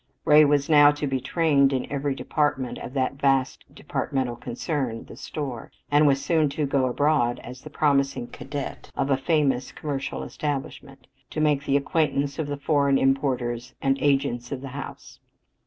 Ray was now to be trained in every department of that vast departmental concern, the Store, and was soon to go abroad as the promising cadet of a famous commercial establishment, to make the acquaintance of the foreign importers and agents of the house.